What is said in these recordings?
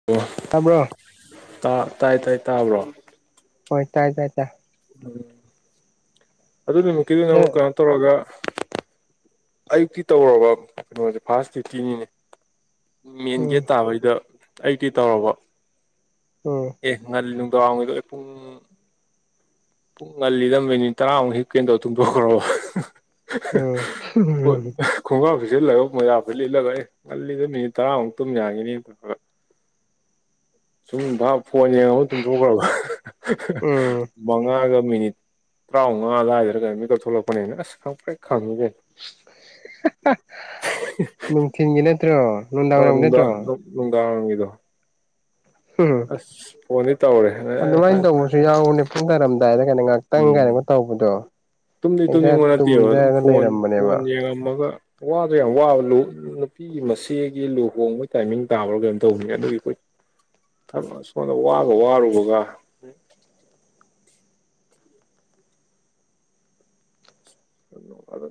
[unintelligible] ꯇꯥꯕ꯭ꯔꯣ ꯊꯥ ꯇꯥꯏ ꯇꯥꯏ ꯇꯥꯕ꯭ꯔꯣ ꯍꯣꯏ ꯇꯥꯏ ꯇꯥꯏ ꯇꯥꯏ ꯎꯝ ꯑꯗꯨ ꯅꯨꯃꯤꯠꯀꯤꯗꯨꯅ ꯑꯃꯨꯛ ꯅꯪ ꯀꯩꯅꯣ ꯇꯧꯔꯒ ꯑꯌꯨꯛꯀꯤ ꯇꯧꯔꯕ ꯀꯩꯅꯣꯖꯦ ꯐꯥꯔꯁ ꯗ꯭ꯌꯨꯇꯤꯅꯤꯅꯦ ꯃꯦꯟ ꯒꯦꯠ ꯎꯝ ꯇꯥꯕꯩꯗ ꯑꯩꯗꯤ ꯇꯧꯔꯕ ꯎꯝ ꯑꯦ ꯉꯜ ꯅꯨꯡꯗꯥꯡꯋꯥꯏꯔꯝꯒꯤꯗꯣ ꯑꯩ ꯄꯨꯡ ꯄꯨꯡ ꯉꯜꯂꯤꯗ ꯃꯤꯅꯤꯠ ꯇꯔꯥꯃꯨꯛ ꯍꯤꯞꯀꯦꯅ ꯇꯧ ꯇꯨꯝꯗꯣꯛꯈꯔꯕ ꯎꯝ [unintelligible] ꯈꯣꯡꯒ꯭ꯔꯥꯎ ꯁꯦꯠꯆꯤꯜꯂꯒ ꯃꯣꯖꯥꯐꯨꯔꯤꯠ ꯂꯤꯠꯂꯒ ꯑꯦ ꯉꯜꯂꯤꯗ ꯃꯤꯅꯤꯠ ꯇꯔꯥꯃꯨꯛ ꯇꯨꯝ ꯌꯥꯒꯤꯅꯤ ꯄꯤꯄꯒ ꯁꯨꯝ ꯚꯥꯕ ꯐꯣꯟ ꯌꯦꯡꯉꯝꯃ ꯇꯨꯝꯊꯣꯛꯈ꯭ꯔꯕ ꯎꯝ ꯃꯉꯥꯒ ꯃꯤꯅꯤꯠ ꯇꯔꯥꯝꯉꯥ ꯑꯗꯥꯏꯗꯔꯒ ꯀꯩꯅꯣ ꯃꯤꯀꯞ ꯊꯣꯛꯂꯛꯄꯅꯦꯃꯤ ꯑꯁ ꯈꯪꯄ꯭ꯔꯦꯛ ꯈꯪꯉꯤꯅꯦ ꯅꯨꯡꯊꯤꯟꯒꯤ ꯅꯠꯇ꯭ꯔꯣ ꯅꯨꯡꯗꯥꯡꯋꯥꯏꯔꯝ ꯅꯠꯇ꯭ꯔꯣ ꯅꯨꯡꯗꯥꯡꯋꯥꯏꯔꯝꯒꯤꯗꯣ ꯐꯣꯟꯗꯤ ꯇꯧꯔꯦ ꯑꯦ ꯑꯗꯨꯃꯥꯏꯟ ꯁꯥꯏ ꯇꯧꯕꯁꯨ ꯁꯥꯏ ꯌꯥꯎꯕꯅꯦ ꯎꯝ [unintelligible] ꯇꯨꯝꯗꯤ ꯍꯦꯛꯇ ꯇꯨꯝꯅꯤꯡꯕ ꯅꯠꯇꯦꯕ ꯑꯗꯨꯝ ꯇꯨꯝꯊꯔꯒ ꯐꯣꯟ ꯂꯩꯔꯝꯕꯅꯦꯕ ꯐꯣꯟ ꯌꯦꯡꯉꯝꯃꯒ ꯋꯥꯗꯣ ꯌꯥꯝ ꯋꯥꯕ ꯂꯣꯏ ꯀꯤꯒꯤ ꯃꯆꯦꯒꯤ ꯂꯨꯍꯣꯡꯕꯩ ꯇꯥꯏꯃꯤꯡ ꯇꯥꯕ꯭ꯔꯥ ꯀꯩꯅꯣꯝ ꯇꯧꯕꯅꯤꯅꯦ ꯑꯗꯨꯒꯤ ꯀꯣꯏ ꯊꯥꯕꯛ ꯁꯣꯝꯗ ꯋꯥꯒ ꯋꯥꯔꯨꯕꯒ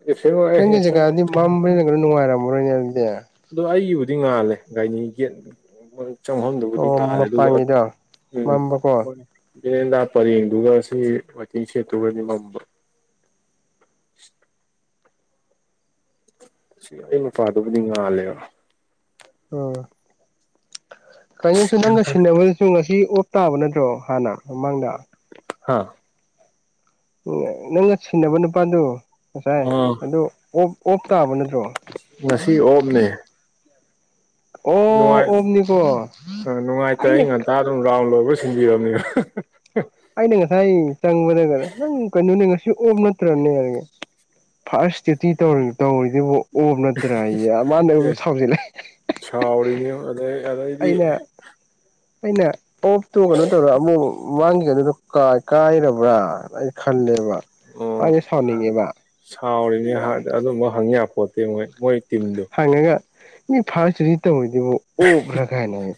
ꯑꯦꯞꯁꯦꯟ ꯑꯣꯏꯔꯦ ꯅꯪꯒꯤ ꯑꯦꯞꯁꯦꯟ ꯑꯣꯏꯔꯦ ꯖꯒꯥꯗꯤ ꯃꯝꯕꯅꯤꯅꯥ ꯒꯩꯅꯣ ꯅꯨꯡꯉꯥꯏꯔꯝꯃꯔꯣꯏꯅꯦ ꯑꯗꯨꯗꯤ ꯑꯗꯣ ꯑꯩꯒꯤꯕꯨꯗꯤ ꯉꯥꯜꯂꯦ ꯒꯥꯏꯅꯤ ꯒꯦꯠ ꯆꯪꯕꯝꯗꯨꯕꯨꯗꯤ ꯑꯣ ꯉꯥꯜꯂꯦ ꯑꯗꯨꯒ ꯃꯄꯥꯟꯒꯤꯗꯣ ꯎꯝ ꯃꯝꯕꯀꯣ ꯕꯦꯔꯦꯟꯗꯥ ꯄꯔꯦꯡꯗꯨꯒ ꯁꯤ ꯋꯦꯇꯤꯡ ꯁꯦꯠꯇꯨꯒꯗꯤ ꯃꯝꯕ ꯁꯤ ꯑꯩ ꯅꯨꯄꯥꯥꯗꯨꯕꯨꯗꯤ ꯉꯥꯜꯂꯦꯕ ꯎꯝ ꯇꯥꯏꯃꯤꯡꯁꯨ ꯅꯪꯒ ꯁꯤꯟꯅꯕꯗꯁꯨ ꯉꯁꯤ ꯑꯣꯞ ꯇꯥꯕ ꯅꯠꯇ꯭ꯔꯣ ꯍꯥꯟꯅ ꯃꯃꯥꯡꯗ ꯍꯥꯥ ꯎ ꯅꯪꯒ ꯁꯤꯟꯅꯕ ꯅꯨꯄꯥꯗꯣ ꯉꯁꯥꯏ ꯑꯥ ꯑꯗꯨ ꯑꯣꯐ ꯑꯣꯐ ꯇꯥꯕ ꯅꯠꯇ꯭ꯔꯣ ꯉꯁꯤ ꯑꯣꯞꯅꯦ ꯅꯨꯡꯉꯥꯏ ꯑꯣ ꯑꯣꯝꯅꯤꯀꯣ ꯑꯥ ꯅꯨꯡꯉꯥꯏꯇ ꯑꯩꯅ ꯑꯩ ꯉꯟꯇꯥ ꯑꯗꯨꯝ ꯔꯥꯎꯟ ꯂꯣꯏꯕꯒ ꯁꯤꯟꯕꯤꯔꯕꯅꯤꯗ ꯑꯩꯅ ꯉꯁꯥꯏ ꯆꯪꯕꯗꯒ ꯅꯪ ꯀꯩꯅꯣꯅꯦ ꯉꯁꯤ ꯑꯣꯞ ꯅꯠꯇ꯭ꯔꯅꯦ ꯍꯥꯏꯔꯒ ꯐꯥꯔꯁ ꯇꯦꯇꯤ ꯇꯧꯔꯤ ꯇꯧꯔꯤꯗꯨꯕꯨ ꯑꯣꯞ ꯅꯠꯇ꯭ꯔꯥꯌꯦ ꯃꯥꯅ ꯑꯩꯕꯨ ꯑꯦ ꯁꯥꯎꯖꯜꯂꯩ ꯁꯥꯎꯔꯤꯅꯤ ꯑꯗꯩ ꯑꯗꯩꯗꯤ ꯑꯩꯅ ꯑꯩꯅ ꯑꯣꯐꯇꯣ ꯀꯩꯅꯣ ꯇꯧꯔ ꯑꯃꯨꯛ ꯃꯥꯡꯒꯤ ꯀꯩꯅꯨꯗꯨ ꯀꯥꯏ ꯀꯥꯏꯔꯕ꯭ꯔꯥ ꯑꯩ ꯈꯜꯂꯦꯕ ꯑꯗꯤ ꯁꯥꯎꯅꯤꯡꯉꯦꯕ ꯁꯥꯎꯔꯤꯝꯅꯤ ꯍꯥꯠ ꯑꯗꯨꯝꯕ ꯍꯪꯌꯥꯄꯣꯠꯇꯦ ꯃꯣꯏ ꯃꯣꯏ ꯇꯤꯝꯗꯨ ꯍꯪꯉꯒ ꯃꯤ ꯐꯥꯔ ꯗꯨꯇꯤ ꯇꯧꯔꯤꯗꯨꯕꯨ ꯑꯣꯐ ꯔ ꯀꯥꯏꯅꯒ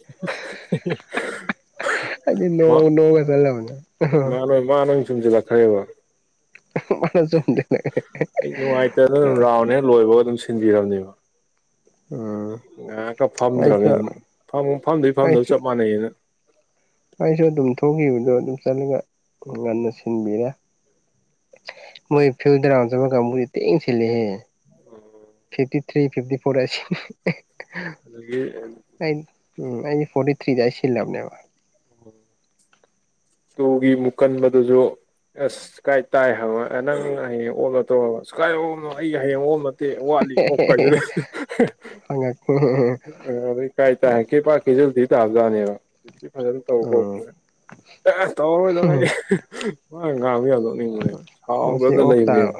[unintelligible] ꯪ [unintelligible] ꯆꯨꯝꯖꯤꯜꯂꯛꯈ꯭ꯔꯦꯕ ꯃꯥꯅ ꯆꯨꯝꯗꯅ ꯑꯩ ꯅꯨꯡꯉꯥꯏꯇꯗꯅ ꯔꯥꯎꯟ ꯍꯦꯛ ꯂꯣꯏꯕꯒ ꯑꯗꯨꯝ ꯁꯤꯟꯕꯤꯔꯝꯅꯦꯕ ꯎꯝ ꯉꯥꯏꯍꯥꯛꯀ ꯑꯩꯁꯨ ꯐꯝꯗ꯭ꯔꯝꯅꯤ ꯑꯗꯨꯝ ꯐꯝ ꯐꯝꯗꯕꯩ ꯑꯩꯁꯨ ꯐꯝꯗꯕ ꯆꯞ ꯃꯥꯟꯅꯩꯌꯦꯅ ꯑꯩꯁꯨ ꯑꯗꯨꯝ ꯊꯣꯛꯈꯤꯕꯗꯣ ꯑꯗꯨꯝ ꯆꯠꯂꯤꯒ ꯉꯟꯅ ꯁꯤꯟꯕꯤꯔꯦ ꯃꯣꯏ ꯐꯤꯜꯗ ꯔꯥꯎꯟ ꯆꯪꯕ ꯀꯥꯡꯕꯨꯖꯦ ꯊꯤꯅ ꯁꯤꯜꯂꯤꯍꯦ ꯐꯤꯐꯇꯤ ꯊ꯭ꯔꯤ ꯐꯤꯐꯇꯤ ꯐꯣꯔ ꯑꯁꯤ ꯑꯗꯒꯤ ꯑꯩ ꯎꯝ ꯑꯩ ꯐꯣꯔꯇꯤ ꯊ꯭ꯔꯤ ꯗꯩꯩ ꯁꯤꯂꯝꯅꯦꯕ ꯇꯨꯒꯤ ꯃꯨꯀꯟꯕꯗꯨꯁꯨ ꯑꯁ ꯀꯥꯏ ꯇꯥꯏ ꯍꯪꯕ ꯅꯪ ꯍꯌꯦꯡ ꯑꯣꯞꯂ ꯇꯧꯕ ꯑꯁ ꯀꯥꯏꯗꯩ ꯑꯣꯐꯅꯣ ꯑꯩ ꯍꯌꯦꯡ ꯑꯣꯐ ꯇꯦ ꯋꯥꯠꯂꯤ ꯑꯣꯐ ꯀꯗꯨꯗꯤ ꯍ ꯍ ꯍ ꯀꯥꯏ ꯇꯥꯏ ꯀꯦꯄꯥ ꯀꯦꯖꯥꯕꯨꯗꯤ ꯇꯥꯖꯥꯠꯅꯦꯕ [unintelligible] ꯁꯤ ꯐꯖꯅ ꯇꯧꯀꯣ ꯎꯝ ꯍꯣꯌ ꯇꯧꯔꯔꯣꯏꯗ ꯑꯩ ꯃꯥ ꯉꯥꯡꯕ ꯅꯣꯛꯅꯤꯡꯕ ꯉꯁꯤ ꯁꯥꯎꯔꯗ ꯑꯣꯐ ꯂꯩꯕꯅꯦ ꯇꯥꯕ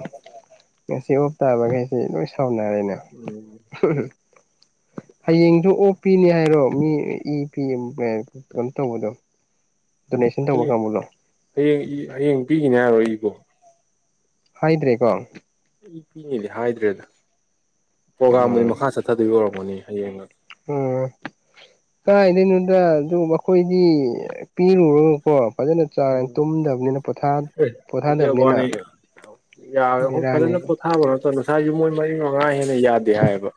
ꯉꯁꯤ ꯑꯣꯞ ꯇꯥꯕꯈꯩꯁꯤ ꯂꯣꯏ ꯁꯥꯎꯅꯔꯦꯅꯦ ꯎꯝ ꯍꯌꯦꯡꯁꯨ ꯑꯣ ꯄꯤꯅꯦ ꯍꯥꯏꯔꯣ ꯃꯤ ꯐꯤ ꯑꯝ ꯀꯩꯅꯣ ꯇꯧꯕꯗꯣ ꯗꯣꯅꯦꯁꯟ ꯇꯧꯕ ꯍꯌꯦꯡ ꯀꯥꯡꯕꯨꯗꯣ ꯍꯌꯦꯡ ꯏ ꯍꯌꯦꯡ ꯄꯤꯈꯤꯅꯦ ꯍꯥꯏꯔꯣ ꯏꯕꯣ ꯍꯥꯏꯗ꯭ꯔꯦ ꯀꯣ ꯏ ꯄꯤꯅꯦꯗꯤ ꯍꯥꯏꯗ꯭ꯔꯦꯗ ꯄ꯭ꯔꯣꯒꯥꯝꯕꯨꯗꯤ ꯎꯝ ꯃꯈꯥ ꯆꯠꯊꯗꯣꯏ ꯑꯣꯏꯔꯝꯒꯅꯤ ꯍꯌꯦꯡꯒ ꯑ ꯀꯥꯏꯗꯩꯅꯣꯗ ꯑꯗꯨ ꯃꯈꯣꯏꯗꯤ ꯄꯤꯔꯨꯔꯀꯣ ꯐꯖꯅ ꯆꯥꯔ ꯎꯝ ꯇꯨꯝꯗꯕꯅꯤꯅ ꯄꯣꯊꯥꯗꯕꯅꯤꯅ ꯌꯥꯔꯐꯣ ꯐꯖꯅ ꯕꯦꯔꯥꯅꯦꯕ ꯀꯣꯊꯥ ꯔꯨꯔꯣ ꯑꯣ ꯉꯁꯥꯏꯁꯨ ꯃꯣꯏ ꯃꯔꯤ ꯃꯉꯥ ꯍꯦꯟꯅ ꯌꯥꯗꯦ ꯍꯥꯏꯌꯦꯕ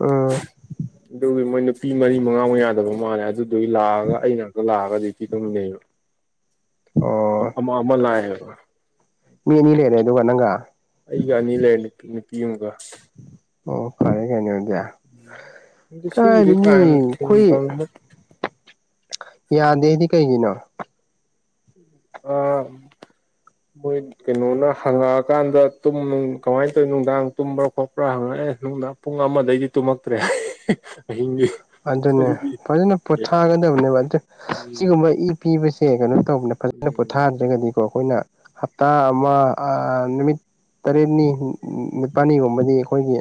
ꯎꯝ inaudible ꯑꯗꯨꯒꯤ ꯃꯣꯏ ꯅꯨꯄꯤ ꯃꯔꯤ ꯃꯉꯥꯃꯨꯛ ꯌꯥꯗꯕ ꯃꯥꯜꯂꯦ ꯑꯗꯨꯗꯨꯒꯤ ꯂꯥꯛꯑꯒ ꯑꯩ ꯉꯥꯛꯇ ꯂꯥꯛꯑꯒꯗꯤ ꯄꯤ ꯇꯧꯃꯤꯟꯅꯩꯕ ꯑ ꯑꯣ ꯑꯃ ꯑꯃ ꯂꯥꯛꯏꯕ ꯃꯤ ꯑꯅꯤ ꯂꯩꯔꯦ ꯑꯗꯨꯒ ꯅꯪꯒ ꯑꯩꯒ ꯑꯅꯤ ꯂꯩꯔꯦ ꯅꯨꯄꯤ ꯑꯃꯒ ꯑꯣ ꯐꯔꯦ ꯀꯩꯅꯗ ꯑꯩꯈꯣꯏ inaudible ꯌꯥꯗꯦꯗꯤ ꯀꯩꯒꯤꯅꯣ ꯑꯥ ꯃꯣꯏ ꯀꯩꯅꯣꯅ ꯍꯪꯉꯛꯑꯀꯥꯟꯗ ꯇꯨꯝ ꯀꯃꯥꯏꯅ ꯇꯧꯋꯤ ꯅꯨꯡꯗꯥꯡ ꯇꯨꯝꯕ꯭ꯔꯥ ꯈꯣꯠꯄ꯭ꯔꯥ ꯍꯪꯉꯛꯑꯦ ꯅꯨꯡꯗꯥꯡ ꯄꯨꯡ ꯑꯃꯗꯩꯗꯤ ꯇꯨꯝꯃꯛꯇ꯭ꯔꯦ ꯍꯥꯏ ꯑꯍꯤꯡꯒꯤ ꯑꯗꯨꯅꯦ ꯑꯗꯨꯗꯤ ꯐꯖꯅ ꯄꯣꯊꯥꯒꯗꯕꯅꯦꯕ ꯑꯗꯨ ꯎꯝ ꯁꯤꯒꯨꯝꯕ ꯏ ꯄꯤꯕꯁꯦ ꯀꯩꯅꯣ ꯇꯧꯕꯅ ꯐꯖꯅ ꯎꯝ ꯄꯣꯊꯥꯗ꯭ꯔꯒꯗꯤ ꯑꯩꯈꯣꯏꯅ ꯍꯥꯞꯇ ꯑꯃ ꯑ ꯅꯨꯃꯤꯠ ꯇꯔꯦꯠꯅꯤ ꯅꯤꯄꯥꯜꯅꯤꯒꯨꯝꯕꯗꯤ ꯑꯩꯈꯣꯏꯒꯤ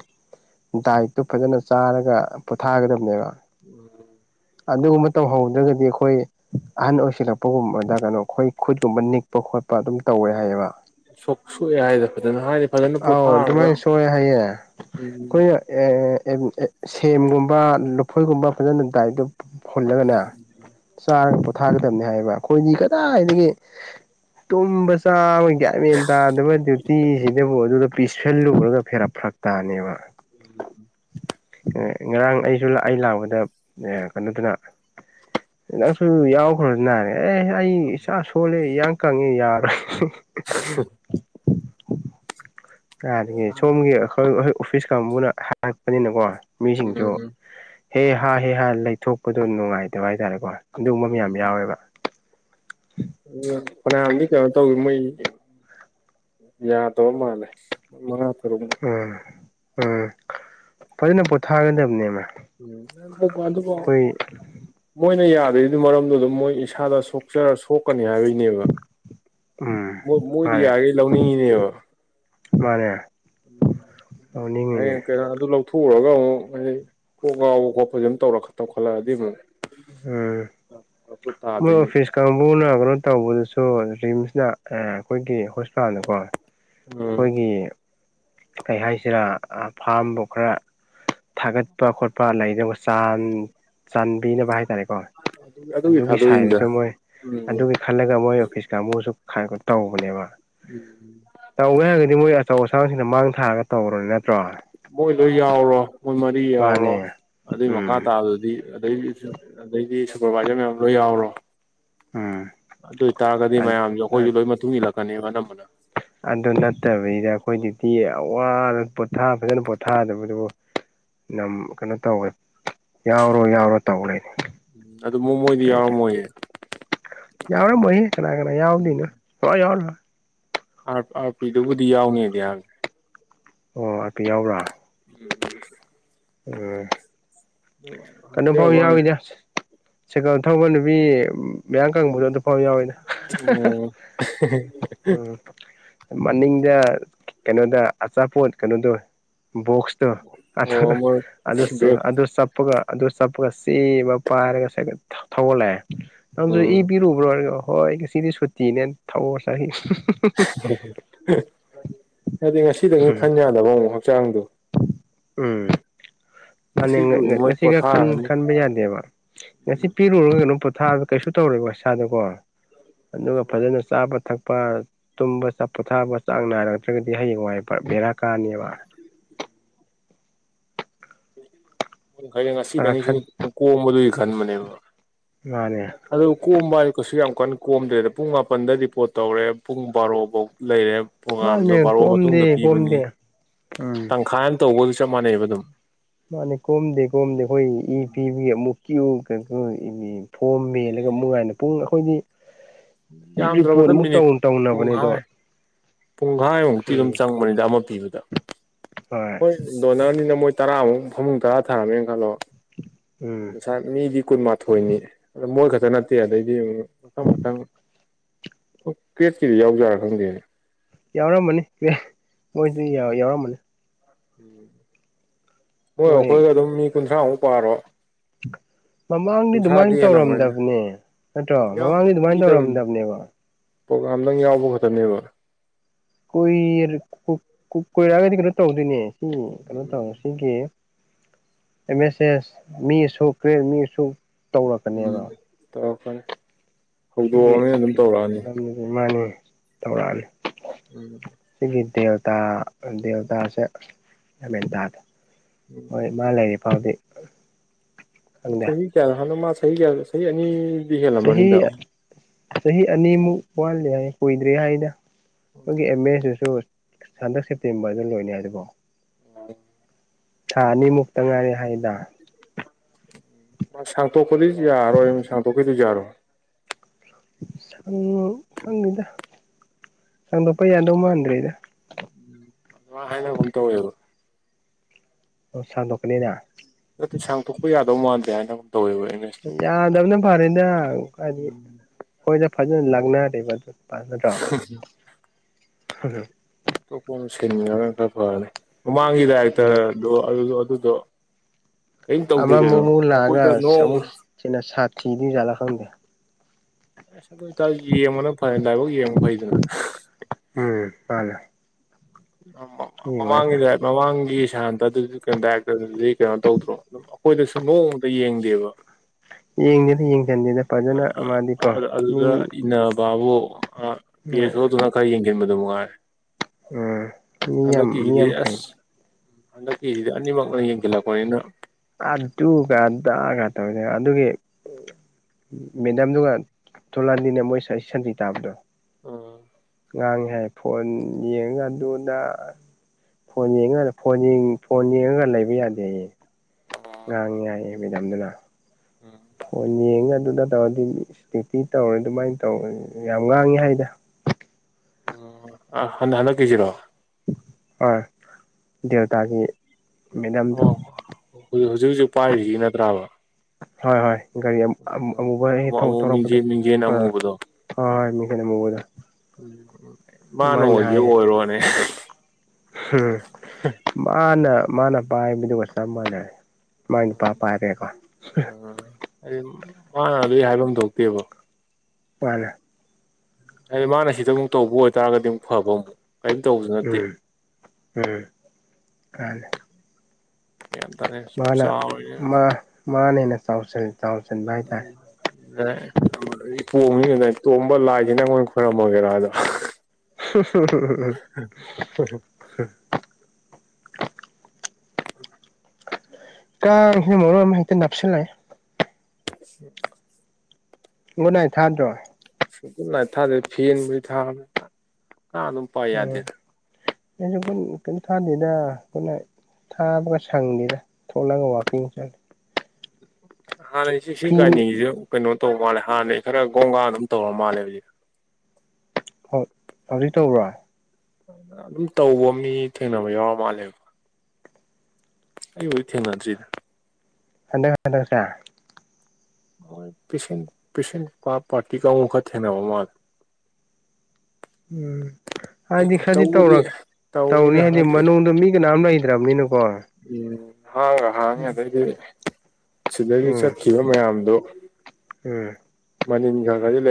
ꯗꯥꯏꯠꯇꯨ ꯐꯖꯅ ꯆꯥꯔꯒ ꯄꯣꯊꯥꯒꯗꯕꯅꯦꯕ inaudible ꯑꯗꯨꯒꯨꯝꯕ ꯇꯧꯍꯧꯗ꯭ꯔꯒꯗꯤ ꯑꯩꯈꯣꯏ ꯑꯍꯟ ꯑꯣꯏꯁꯤꯜꯂꯛꯄꯒꯨꯝꯕꯗ ꯀꯩꯅꯣ ꯑꯩꯈꯣꯏ ꯈꯨꯠꯒꯨꯝꯕ ꯅꯤꯛꯄ ꯈꯣꯠꯄ ꯑꯗꯨꯝ ꯇꯧꯋꯦ ꯍꯥꯏꯌꯦꯕ ꯁꯣꯛ ꯁꯣꯛꯑꯦ ꯍꯥꯏꯗꯅ ꯐꯖꯅ ꯍꯥꯏꯗꯤ ꯐꯖꯅ ꯑꯧ ꯄꯣꯊꯥꯔꯒ ꯑꯗꯨꯃꯥꯏꯅ ꯁꯣꯛꯑꯦ ꯍꯥꯏꯌꯦ ꯎꯝ ꯑꯩꯈꯣꯏꯅ ꯁꯦꯝꯒꯨꯝꯕ ꯂꯨꯐꯨꯣꯏꯒꯨꯝꯕ ꯐꯖꯅ ꯗꯥꯏꯠꯇꯨ ꯍꯨꯜꯂꯒꯅꯦ ꯆꯥꯔꯒ ꯄꯣꯊꯥꯒꯗꯕꯅꯦ ꯍꯥꯏꯕ ꯑꯩꯈꯣꯏꯗꯤ ꯀꯗꯥꯏꯗꯒꯤ ꯇꯨꯝꯕ ꯆꯥꯕ ꯒ꯭ꯌꯥꯃꯦꯟ ꯇꯥꯗꯕ ꯗ꯭ꯌꯨꯇꯤꯁꯤꯗꯕꯨ ꯑꯗꯨꯗ ꯄꯤꯁ ꯐꯦꯜꯂꯨꯔꯒ ꯐꯦꯔꯥ ꯐꯔꯛ ꯇꯥꯅꯦꯕ inaudible ꯉꯔꯥꯡ ꯑꯩꯁꯨ ꯂꯥꯛ ꯑꯩ ꯂꯥꯛꯄꯗ ꯀꯩꯅꯣꯗꯅ ꯅꯪꯁꯨ ꯌꯥꯎꯈ꯭ꯔꯗꯅ ꯑꯦ ꯑꯩ ꯏꯆꯥ ꯁꯣꯜꯂꯦ ꯏ ꯀꯪꯉꯦ ꯌꯥꯔꯣꯏ ꯑꯗꯒꯤ ꯁꯣꯝꯒꯤ ꯑꯩꯈꯣꯏ ꯑꯩꯈꯣꯏ ꯑꯣꯐꯤꯁ ꯀꯥꯡꯕꯨꯅ ꯍꯥꯏꯔꯛꯄꯅꯤꯅꯀꯣ ꯃꯤꯁꯤꯡꯁꯨ ꯎꯝ ꯍꯦ ꯍꯥꯍꯦ ꯍꯥ ꯂꯩꯊꯣꯛꯄꯗꯣ ꯅꯨꯡꯉꯥꯏꯇꯕ ꯍꯥꯏꯇꯥꯔꯦꯀꯣ ꯑꯗꯨꯒꯨꯝꯕ ꯃꯌꯥꯝ ꯌꯥꯎꯋꯦꯕ ꯑ ꯐꯅꯌꯥꯝꯗꯤ ꯀꯩꯅꯣ ꯇꯧꯋꯤ ꯃꯣꯏ ꯌꯥꯗꯕ ꯃꯥꯜꯂꯦ ꯃꯉꯥ ꯇꯔꯨꯛꯃꯛ ꯎꯝ ꯎꯝ ꯐꯖꯅ ꯄꯣꯊꯥꯒꯗꯕꯅꯦꯕ inaudible ꯑꯩꯈꯣꯏ [inaudible] ꯃꯣꯏꯅ ꯌꯥꯗꯣꯏꯗꯨ ꯃꯔꯝꯗꯨ ꯑꯗꯨꯝ ꯃꯣꯏ ꯏꯁꯥꯗ ꯁꯣꯛꯆ ꯁꯣꯛꯀꯅꯤ ꯍꯥꯏꯕꯒꯤꯅꯦꯕ ꯎꯝ ꯃꯣꯏꯗꯤ ꯃꯥꯅꯦ ꯌꯥꯔꯤꯈꯩ ꯂꯧꯅꯤꯡꯉꯤꯅꯦꯕ ꯃꯥꯅꯦ ꯇꯧꯅꯤꯡꯉꯤꯅꯦ ꯍꯌꯦꯡ ꯀꯩꯅꯣ ꯑꯗꯨ ꯂꯧ ꯊꯣꯛꯎꯔꯒ ꯑꯃꯨꯛ ꯑꯩꯗꯤ ꯀꯣꯛ ꯉꯥꯎꯕ ꯈꯣꯠꯄꯁꯦ ꯑꯃꯨꯛ ꯇꯧꯔ- ꯇꯧꯈꯠꯂꯛꯑꯗꯤ ꯑꯃꯨꯛ ꯎꯝ ꯐꯔꯛꯇꯣ ꯃꯣꯏ ꯇꯥꯗꯣꯏꯅꯦ ꯑꯣꯐꯤꯁ ꯀꯥꯡꯕꯨꯅ ꯀꯩꯅꯣ ꯇꯧꯕꯗꯨꯁꯨ ꯔꯤꯝꯁꯅ ꯑ ꯑꯩꯈꯣꯏꯒꯤ ꯍꯣꯁꯄꯤꯇꯥꯜꯗꯀꯣ ꯎꯝ ꯑꯩꯈꯣꯏꯒꯤ ꯀꯩ ꯍꯥꯏꯁꯤꯔꯥ ꯐꯥꯝꯕꯨ ꯈꯔ ꯊꯥꯒꯠꯄ ꯈꯣꯠꯄ ꯂꯩ ꯆꯥꯟ-ꯆꯥꯟꯕꯤꯅꯕ ꯍꯥꯏꯇꯥꯔꯦ ꯍꯣꯏ ꯑꯗꯨꯒꯤ ꯁꯥꯏꯠꯇꯁꯨ ꯃꯣꯏ ꯎꯝ ꯑꯗꯨꯒꯤ ꯈꯜꯂꯒ ꯃꯣꯏ ꯑꯣꯐꯤꯁ ꯀꯥꯡꯒꯨꯁꯨ ꯈꯔ ꯇꯧꯕꯅꯦꯕ ꯎꯝ ꯇꯧꯒꯦ ꯍꯥꯏꯔꯒꯗꯤ ꯃꯣꯏ ꯑꯆꯧ ꯑꯁꯥꯡꯁꯤꯡꯅ ꯃꯥꯡ ꯊꯥꯔꯒ ꯇꯧꯔꯣꯅ ꯅꯠꯇ꯭ꯔꯣ ꯃꯣꯏ ꯂꯣꯏ ꯌꯥꯎꯔꯣ ꯃꯣꯏ ꯃꯔꯤ ꯃꯥꯅꯦ ꯌꯥꯎꯔꯣ ꯑꯗꯨꯏ ꯃꯈꯥ ꯎꯝ ꯇꯥꯕꯗꯨꯗꯤ ꯑꯗꯩ ꯑꯗꯩꯗꯤ ꯁꯨꯄꯔꯚꯥꯏꯖꯔ ꯃꯌꯥꯝ ꯂꯣꯏ ꯌꯥꯎꯔꯣ ꯑꯗꯨꯏꯇꯥꯔꯒꯗꯤ ꯃꯌꯥꯝꯖꯨ ꯑꯩꯈꯣꯏꯖꯨ ꯂꯣꯏ ꯃꯇꯨꯡ ꯏꯜꯂꯛꯀꯅꯦ ꯑꯅꯝꯕꯅ ꯑꯗꯨ ꯅꯠꯇꯕꯤꯗ ꯑꯩꯈꯣꯏꯗꯗꯤ ꯑꯋꯥ ꯄꯣꯊꯥ ꯐꯖꯅ ꯄꯣꯊꯥꯗꯕꯗꯨꯕꯨ ꯅꯝ ꯀꯩꯅꯣ ꯇꯧꯋꯦ ꯌꯥꯎꯔꯣ ꯌꯥꯎꯔꯣ ꯇꯧ ꯂꯩꯅꯦ ꯑꯗꯨꯕꯨ ꯃꯣꯏꯗꯤ ꯌꯥꯎꯔꯝꯃꯣꯏꯌꯦ ꯌꯥꯎ ꯔꯝꯃꯣꯏ ꯌꯦ ꯀꯅꯥ ꯀꯅꯥ ꯌꯥꯎꯗꯣꯏꯅꯣ ꯌꯥꯎ ꯑꯥ ꯑꯥꯔ ꯄꯤꯗꯨꯕꯨꯗꯤ ꯌꯥꯎꯅꯤꯗꯤ ꯍꯥꯏ ꯑꯣ ꯑꯗꯨ ꯌꯥꯎꯕ꯭ꯔꯥ [inaudible] ꯎꯝ ꯀꯩꯅꯣ ꯐꯥꯎ ꯍꯥꯏꯖꯕ ꯋꯥꯅꯦ ꯌꯥꯎꯋꯤꯗ ꯁꯥꯢꯀꯜ ꯊꯧꯕ ꯅꯨꯄꯤ ꯃꯌꯥꯡ ꯀꯪꯕꯗꯣ ꯑꯗꯨ ꯑꯣꯏ ꯌꯥꯎꯋꯤꯗ ꯎꯝ ꯃꯅꯤꯡꯗ ꯀꯩꯅꯣꯗ ꯑꯆꯥꯄꯣꯠ ꯀꯅꯣꯗꯣ ꯕꯣꯛꯁ ꯇꯣ ꯑꯣ ꯃꯣꯏ ꯑꯗꯣ ꯕ꯭ꯔꯦꯛ ꯑꯗꯨ ꯆꯞ ꯆꯞꯄꯒ ꯑꯗꯨ ꯆꯞꯄꯒ ꯆꯦꯃ ꯄꯥꯏꯔꯒ ꯁꯥꯏꯒ ꯊꯧꯔꯥ ꯂꯛꯑꯦ ꯅꯪꯁꯨ ꯏ ꯎꯝ ꯄꯤꯔꯨꯕ꯭ꯔꯣ ꯍꯣꯏ ꯑꯩ ꯉꯥꯁꯤꯗꯤ ꯁꯨꯇꯤꯅꯦ ꯊꯧ ꯍꯥꯏꯗꯤ ꯉꯁꯤꯗꯒꯤ ꯈꯟ ꯌꯥꯗꯕ ꯑꯃꯨꯛ ꯍꯛꯆꯥꯡꯗꯣ ꯎꯝ ꯉꯁꯤꯒꯤ ꯑꯣꯏꯅ ꯃꯣꯏ ꯉꯁꯤꯒ ꯄꯣꯊꯥꯔꯅꯤ ꯈꯟꯕ ꯌꯥꯗꯦꯕ ꯉꯁꯤ ꯄꯤꯔꯨꯔꯒ ꯀꯩꯅꯣ ꯄꯣꯊꯥꯔꯒ ꯀꯩꯁꯨ ꯇꯧꯔꯣꯏꯀꯣ ꯏꯁꯥꯗꯀꯣ ꯑꯗꯨꯒ ꯇꯧꯔꯣꯏ ꯐꯖꯅ ꯆꯥꯕ ꯊꯛꯄ ꯇꯨꯝꯕ ꯆꯥ ꯄꯣꯊꯥꯕ ꯆꯥꯡ ꯅꯥꯏꯔꯛꯇ꯭ꯔꯒꯗꯤ ꯍꯌꯦꯡꯋꯥꯏ ꯐ ꯕꯦꯔꯥ ꯀꯥꯅꯦꯕ ꯑꯩꯅ ꯈꯔ ꯉꯁꯤꯗꯪꯅꯤꯖꯨ ꯈꯟ ꯀꯣꯝꯕꯗꯨꯏ ꯈꯟꯕꯅꯦꯕ ꯃꯥꯅꯦ ꯑꯗꯨ ꯀꯣꯝꯕ ꯍꯥꯏꯗꯤ ꯀꯩꯁꯨ ꯌꯥꯝ ꯀꯟꯅ ꯀꯣꯝꯗꯦꯗ ꯄꯨꯡ ꯃꯥꯄꯟꯗ ꯔꯤꯄꯣꯔꯠ ꯇꯧꯔꯦ ꯄꯨꯡ ꯕꯥꯔꯣꯕꯣꯛ ꯂꯩꯔꯦ ꯄ꯭ꯔꯣꯒꯥꯝꯗꯣ ꯃꯥꯅꯦ ꯕꯥꯔꯣ ꯀꯣꯝꯗꯦ ꯃꯇꯨꯡꯗ ꯄꯤꯕꯅꯤ ꯀꯣꯝꯗꯦ ꯇꯪꯈꯥꯏꯑꯝ ꯇꯧꯕꯒ ꯆꯞ ꯃꯥꯟꯅꯩꯕ ꯑꯗꯨꯝ ꯃꯥꯅꯦ ꯀꯣꯝꯗꯦ ꯀꯣꯝꯗꯦ ꯑꯩꯈꯣꯏ ꯏ ꯄꯤꯕꯒꯤ ꯑꯃꯨꯛ ꯀ꯭ꯌꯨ ꯐꯣꯝ ꯃꯦꯜꯂꯒ ꯃꯨꯛꯉꯥꯏꯅ ꯄꯨꯡ ꯑꯩꯈꯣꯏꯗꯤ ꯔꯤꯄꯣꯔꯠ ꯌꯥꯝꯗ꯭ꯔꯕꯗ ꯑꯃꯨꯛ ꯃꯤꯅꯤꯠ ꯇꯧ ꯇꯧꯅꯕꯅꯦ ꯑꯗꯣ ꯄꯨꯡꯒꯥꯏꯃꯨꯛꯇꯤ ꯑꯗꯨꯝ ꯎꯝ ꯆꯪꯕꯅꯤꯗ ꯑꯃ ꯄꯤꯕꯗ ꯍꯣꯏ ꯗꯣꯅꯔꯅꯤꯅ ꯃꯣꯏ ꯇꯔꯥꯃꯨꯛ ꯐꯃꯨꯡ ꯇꯔꯥ ꯊꯥꯔꯝꯃꯦꯅ ꯈꯜꯂꯣ ꯎꯝ ꯉꯁꯥꯏ ꯃꯤꯗꯤ ꯀꯨꯟꯃꯥꯊꯣꯏꯅꯤ ꯑ ꯃꯣꯏ ꯈꯛꯇ ꯅꯠꯇꯦ ꯑꯗꯩꯗꯤ ꯃꯊꯪ ꯃꯊꯪ ꯑꯣ ꯀ꯭ꯔꯦꯠꯀꯤꯗꯤ ꯌꯥꯎꯖꯔꯥ ꯈꯪꯗꯦꯅꯦ ꯌꯥꯎꯔꯝꯃꯅꯤ ꯃꯣꯏꯗꯤ ꯌꯥꯎ ꯌꯥꯎꯔꯝꯃꯅꯤ ꯃꯣꯏꯒ ꯃꯣꯏ ꯑꯩꯈꯣꯏꯒ ꯑꯗꯨꯝ ꯃꯤ ꯀꯨꯟꯊ꯭ꯔꯥꯃꯨꯛ ꯄꯥꯔꯣ ꯃꯃꯥꯡꯗꯤ ꯑꯗꯨꯃꯥꯏꯟ ꯀꯨꯟꯊ꯭ꯔꯥꯗꯤ ꯍꯦꯜꯂꯝꯒꯅꯤꯗ ꯇꯧꯔꯝꯗꯕꯅꯦ ꯅꯠꯇ꯭ꯔꯣ ꯎꯝ ꯌꯥꯎ ꯃꯃꯥꯡꯗꯤ ꯑꯗꯨꯃꯥꯏꯟ ꯄꯤꯗꯕꯅꯤꯗ ꯇꯧꯔꯝꯗꯕꯅꯦꯕ ꯄ꯭ꯔꯣꯒꯥꯝꯗꯪ ꯌꯥꯎꯕ ꯈꯠꯇꯅꯦꯕ ꯀꯨꯏꯗ꯭ꯔꯤ ꯀꯨ ꯀꯨ ꯀꯨꯏꯔꯛꯑꯒꯗꯤ ꯀꯩꯅꯣ ꯇꯧꯗꯣꯏꯅꯦ ꯇꯨ ꯀꯩꯅꯣ ꯇꯧ ꯎꯝ ꯁꯤꯒꯤ ꯑꯦꯝ ꯑꯦꯁ ꯑꯦꯁ ꯃꯤꯑꯁꯨꯛ ꯀ꯭ꯔꯦꯠ ꯃꯤꯑꯁꯨꯛ ꯎꯝ ꯇꯧꯔꯛꯀꯅꯤ ꯁꯤꯒꯤ ꯍꯧꯗꯣꯛꯑꯕꯅꯤꯅ ꯑꯗꯨꯝ ꯇꯧꯔꯛꯑꯅꯤ ꯐꯤꯕꯝꯖꯤꯗꯤ ꯃꯥꯅꯤ ꯇꯧꯔꯛꯑꯅꯤ ꯎꯝ ꯁꯤꯒꯤ ꯗꯦꯜꯇꯥ ꯗꯦꯜꯇꯥꯥꯁꯦ ꯑꯃꯦꯔꯤꯀꯥꯗꯣ ꯃꯣꯏ ꯏꯃꯥ ꯂꯩꯔꯤꯐꯥꯎꯗꯤ ꯆꯍꯤ ꯀꯌꯥꯗ ꯍꯥꯠꯂ ꯃꯥ ꯆꯍꯤ ꯀꯌꯥꯗ ꯆꯍꯤ ꯑꯅꯤ ꯆꯍꯤ ꯆꯍꯤ ꯑꯅꯤꯃꯨꯛ ꯋꯥꯠꯂꯤ ꯍꯥꯏ ꯀꯨꯏꯗ꯭ꯔꯤ ꯍꯥꯏꯗ ꯅꯣꯏꯒꯤ ꯑꯦꯝ ꯑꯦꯁꯤꯁꯨ ꯍꯟꯗꯛ ꯁꯦꯞꯇꯦꯝꯕꯔꯗ ꯂꯣꯏꯅꯤ ꯍꯥꯏꯗ ꯀꯣ [unintelligible] ꯊꯥ ꯑꯅꯤꯃꯨꯛꯇ ꯉꯥꯏꯔꯦ ꯍꯥꯏꯗ ꯃꯥ ꯁꯥꯡꯇꯣꯛꯄꯗꯤ ꯌꯥꯔꯔꯣꯏ ꯁꯥꯡꯇꯣꯛꯀꯤꯗꯤ ꯌꯥꯔꯣꯏ ꯁꯪ ꯈꯪꯗꯦꯗ ꯁꯪꯗꯣꯛꯄ ꯌꯥꯗꯧ ꯃꯥꯟꯗꯔꯦꯗ ꯃꯥꯏ ꯍꯥꯏꯅꯒꯨꯝ ꯇꯧꯋꯦꯕ ꯑꯣ ꯁꯥꯡꯗꯣꯛꯀꯅꯤꯅ ꯅꯠꯇꯦ ꯁꯥꯡꯗꯣꯛꯄ ꯌꯥꯗꯧ ꯃꯥꯟꯗꯦ ꯍꯥꯏꯅꯒꯨꯝ ꯇꯧꯋꯦꯕ ꯑꯩꯅ ꯌꯥꯗꯕꯅ ꯐꯔꯦꯗ ꯍꯥꯏꯗꯤ ꯑꯩꯈꯣꯏꯗ ꯐꯖꯅ ꯂꯥꯛꯅꯔꯦꯕ ꯑꯗꯨ ꯐꯖꯗ꯭ꯔꯣ [unintelligible] [unintelligible] ꯑꯇꯣꯞꯄꯃꯥ ꯁꯤꯟꯒ꯭ꯔꯒ ꯈꯔ ꯐꯔꯅꯤ ꯃꯃꯥꯡꯒꯤ ꯗꯥꯏꯔꯦꯛꯇ꯭ꯔ ꯎꯝ ꯑꯗꯣ ꯑꯗꯨꯗꯣ ꯑꯗꯨꯗꯣ ꯀꯔꯤꯝ ꯇꯧꯗꯦ ꯀꯩꯅꯣ ꯑꯩꯈꯣꯏꯗ ꯅꯣꯡ ꯁꯤꯅꯥ ꯁꯥꯥꯊꯤꯗꯨꯏ ꯖꯥꯠꯂ ꯈꯪꯗꯦ ꯑꯁ ꯑꯗꯨꯇꯥꯏꯗꯤ ꯌꯦꯡꯕꯅ ꯐꯩ ꯂꯥꯏꯕꯛ ꯌꯦꯡꯕ ꯐꯩꯗꯅ ꯎꯝ ꯃꯥꯅꯦ ꯃ ꯃ ꯌꯦꯡꯕꯅ ꯃꯃꯥꯡꯒꯤ ꯃꯃꯥꯡꯒꯤ ꯁꯥꯟꯇ ꯗꯨꯗꯤ ꯗꯥꯏꯔꯦꯛꯇꯔꯗꯨꯗꯤ ꯀꯩꯅꯣ ꯇꯧꯗ꯭ꯔꯣ ꯑꯩꯈꯣꯏꯗꯁꯨ ꯅꯣꯡꯃꯇ ꯌꯦꯡꯗꯦꯕ ꯌꯦꯡꯗꯦꯗ ꯌꯦꯡꯖꯟꯗꯦꯗ ꯐꯖꯅ ꯃꯥꯗꯤꯀꯣ ꯃꯤ ꯕꯥꯕꯨ ꯑ ꯄꯤ ꯑꯦꯁ ꯍꯣꯏ ꯑꯣꯗꯨꯅ ꯈꯔ ꯌꯦꯡꯖꯟꯕꯗꯨ ꯃꯉꯥꯏ ꯎꯝ ꯃꯤ ꯌꯥꯝ ꯍꯟꯗꯛ ꯃꯤ ꯀꯤꯖꯤꯗꯤ ꯌꯥꯝ ꯐꯩ ꯑꯁ ꯍꯟꯗꯛꯀꯤꯖꯤꯗꯤ ꯑꯅꯤꯃꯛꯅ ꯌꯦꯡꯖꯜꯂꯛꯄꯅꯤꯅ ꯑꯗꯨꯒ ꯑꯗꯥꯒ ꯇꯧꯅꯦ ꯑꯗꯨꯒꯤ ꯃꯦꯗꯥꯝꯗꯨꯒ ꯇꯣꯂꯥꯟꯗꯤꯅ ꯃꯣꯏꯁꯥꯏ ꯁꯟꯇꯤ ꯇꯥꯕꯗꯣ ꯑꯥ ꯉꯥꯡꯉꯦ ꯍꯥꯏ ꯐꯣꯟ ꯌꯦꯡꯉꯒ ꯑꯗꯨꯗ ꯐꯣꯟ ꯌꯦꯡꯉꯒ ꯐꯣꯟ ꯌꯦꯡ ꯐꯣꯟ ꯌꯦꯡꯉꯒ ꯂꯩꯕ ꯌꯥꯗꯦ ꯍꯥꯏꯌꯦ ꯉꯥꯡꯉꯦ ꯍꯥꯏꯌꯦ ꯃꯦꯗꯥꯝꯗꯨꯅ ꯐꯣꯟ ꯌꯦꯡꯉ ꯑꯗꯨꯗ ꯇꯧꯔꯗꯤ ꯏꯁ ꯗ꯭ꯌꯨꯇꯤ ꯇꯧꯔꯦ ꯑꯗꯨꯃꯥꯏ ꯇꯧꯔ ꯌꯥꯝ ꯉꯥꯡꯉꯤ ꯍꯥꯏꯗ ꯑ ꯍꯟ ꯍꯟꯗꯛꯀꯤꯖꯤꯔꯣ ꯑꯥ ꯗꯦꯜꯇꯥꯒꯤ ꯃꯦꯗꯥꯝꯗꯣ ꯑꯣ ꯍꯧꯖꯤꯛ ꯍꯧꯖꯤꯛ ꯄꯥꯏꯔꯤꯖꯤ ꯅꯠꯇ꯭ꯔꯥꯕ ꯍꯣꯏ ꯍꯣꯏ ꯒꯥꯔꯤ ꯑ ꯑꯃꯨꯕ ꯍꯦꯛ ꯍꯦꯛ ꯑꯃꯨꯛ ꯊꯧ ꯑꯃꯨꯛ ꯊꯧꯔꯛꯄꯗꯣ ꯃꯤꯡꯖꯦꯜ ꯃꯤꯡꯖꯦꯜ ꯑꯥ ꯑꯃꯨꯕꯗꯣ ꯍꯣꯏ ꯍꯣꯏ ꯃꯤ ꯈꯔ ꯃꯨꯕꯗꯣ ꯎꯝ ꯃꯥꯅ ꯑꯣꯏꯒꯦ ꯑꯣꯏꯔꯣꯅꯦ ꯎꯝ ꯃꯥꯅ ꯃꯥꯅ ꯄꯥꯏꯕꯗꯨꯒ ꯆꯞ ꯃꯥꯟꯅꯔꯦ ꯃꯥꯏ ꯅꯨꯄꯥ ꯄꯥꯏꯔꯦꯀꯣ ꯎ ꯍꯥꯏꯗꯤ ꯃꯥꯅ ꯑꯗꯨꯗꯤ ꯍꯥꯏꯐꯝ ꯊꯣꯛꯇꯦꯕ ꯋꯥꯔꯦ ꯍꯥꯏꯗꯤ ꯃꯥꯅ ꯁꯤꯗ ꯑꯃꯨꯛ ꯇꯧꯕ ꯑꯣꯏꯇꯥꯔꯒꯗꯤ ꯑꯃꯨꯛ ꯐꯕ ꯑꯃꯨꯛ ꯀꯩꯏꯝ ꯇꯧꯕꯁꯦ ꯎꯝ ꯎꯝ ꯃꯅꯦ ꯒꯔꯥꯟꯗ ꯇꯥꯗꯦ ꯆꯥꯎꯔꯤꯅꯦꯅ ꯃꯥ ꯃꯥꯅ ꯍꯦꯟꯅ ꯆꯥꯎꯁꯤꯜ ꯆꯥꯎ ꯆꯟꯕ [unintelligible] ꯎꯝ [inaudible] ꯀꯣꯝꯃꯤꯀꯩꯅꯣ ꯑꯩ ꯇꯣꯝꯕ ꯂꯥꯏꯁꯤ ꯅꯪꯑꯣꯏ ꯈꯣꯏꯔꯝꯃꯒꯦꯔꯥ ꯑꯗꯣ [unintelligible] [inaudible] [inaudible] ꯀꯥꯡ ꯍꯨꯝꯃꯔꯣ ꯑꯃ ꯍꯦꯛꯇ ꯅꯞꯁꯤꯜ ꯂꯩ [unintelligible] [inaudible] ꯒꯨꯗ ꯅꯥꯏꯠ ꯊꯥꯗ꯭ꯔꯣ ꯨꯒꯨꯗ ꯅꯥꯏꯠ ꯊꯥꯗꯦ ꯐꯦꯟꯕꯨꯗꯤ ꯊꯥꯕꯅꯦ ꯀꯥꯡ ꯑꯗꯨꯝ ꯄꯥꯏ ꯎꯝ ꯌꯥꯗꯦꯗ ꯑꯩꯁꯨꯈꯟ ꯀ ꯊꯥꯗꯦꯗ ꯑꯩꯈꯣꯟ [unintelligible] ꯊꯥꯕꯒ ꯁꯪꯗꯦꯔꯥ ꯊꯣꯂꯒ ꯋꯥꯛꯀꯤꯡ ꯆꯠꯂꯤ ꯍꯥꯟꯅꯩꯁꯤ ꯁꯤ ꯐꯤ ꯒꯥꯏꯅꯤꯁꯤꯖꯨ ꯀꯩꯅꯣ ꯇꯧꯕ ꯃꯥꯜꯂꯦ ꯍꯥꯟꯅꯩ ꯈꯔ ꯒꯣꯡꯒꯥ ꯑꯗꯨꯝ ꯇꯧꯔ ꯃꯥꯜꯂꯦ ꯍꯧꯖꯤꯛ ꯍ ꯍꯧꯖꯤꯛ ꯇꯧꯕ꯭ꯔꯥ ꯑꯗꯨꯝ ꯇꯧꯕ ꯃꯤ ꯊꯦꯡꯅꯕ ꯌꯥꯎꯔ ꯃꯥꯜꯂꯦꯕ ꯑꯩꯕꯨꯗꯤ ꯊꯦꯡꯅꯗ꯭ꯔꯤꯗ ꯍꯟꯗꯛ ꯍꯟꯗꯛꯁꯦ ꯍꯣꯏ ꯄꯦꯁꯦꯟ ꯄꯦꯁꯦꯟ ꯄꯥꯔꯇꯤ ꯀꯥꯡꯒꯨ ꯈꯔ ꯊꯦꯡꯅꯕ ꯃꯥꯜꯂꯦ ꯎꯝ ꯍꯥꯏꯗꯤ ꯈꯔꯗꯤ ꯇꯧꯕꯗꯤ ꯇꯧꯔꯛ ꯇꯧꯅꯤ ꯍꯥꯏꯗꯤ ꯃꯅꯨꯡꯗ ꯃꯤ ꯀꯅꯥꯝ ꯂꯩꯗ꯭ꯔꯕꯅꯤꯅ ꯍꯣꯏ ꯎꯝ ꯍꯥꯡꯒ ꯍꯥꯡꯉꯦ ꯑꯗꯩꯗꯤ ꯁꯤꯗꯒꯤ ꯎꯝ ꯆꯠꯈꯤꯕ ꯃꯌꯥꯝꯗꯨ ꯎꯝ ꯃꯅꯤꯜ ꯈꯒꯗꯤ ꯂꯩ